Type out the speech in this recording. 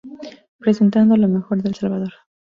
Presentando lo mejor de El Salvador.